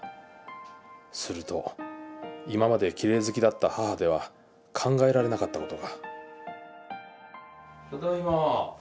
すると今まできれい好きだった母では考えられなかった事がただいま。